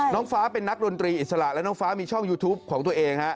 น้องฟ้าเป็นนักดนตรีอิสระและน้องฟ้ามีช่องยูทูปของตัวเองฮะ